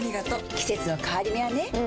季節の変わり目はねうん。